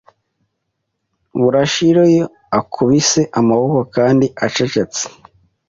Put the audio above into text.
burashira Iyo akubise amaboko Kandi acecetse